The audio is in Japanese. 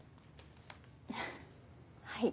はい？